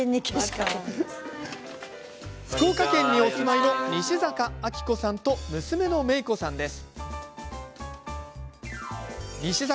福岡県にお住まいの西坂晶子さんと娘の芽似子さんです。